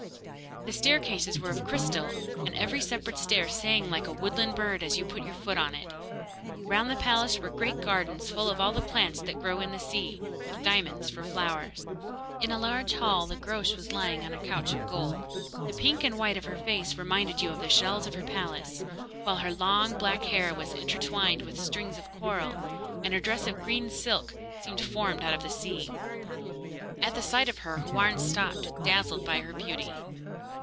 The staircases were of crystal, and every separate stair sang like a woodland bird as you put your foot on it. Round the palace were great gardens full of all the plants that grow in the sea, with diamonds for flowers. In a large hall the Groac'h was lying on a couch of gold. The pink and white of her face reminded you of the shells of her palace, while her long black hair was intertwined with strings of coral, and her dress of green silk seemed formed out of the sea. At the sight of her Houarn stopped, dazzled by her beauty.